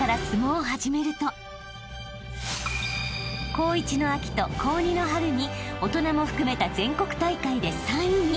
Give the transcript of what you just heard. ［高１の秋と高２の春に大人も含めた全国大会で３位に］